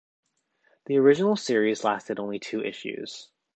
The original series lasted only two issues.